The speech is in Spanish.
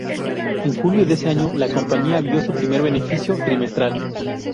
En julio de ese año, la compañía vio su primer beneficio trimestral.